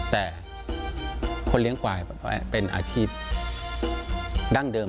แต่คนเลี้ยงควายเป็นอาชีพดั้งเดิม